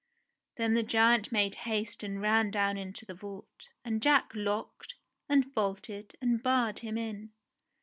Then the giant made haste and ran down into the vault and Jack locked, and bolted, and barred him in.